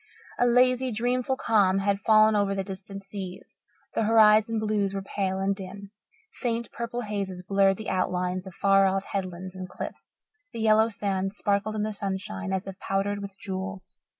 A lazy, dreamful calm had fallen over the distant seas; the horizon blues were pale and dim; faint purple hazes blurred the outlines of far off headlands and cliffs; the yellow sands sparkled in the sunshine as if powdered with jewels.